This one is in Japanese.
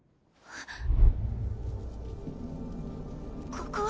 ここは？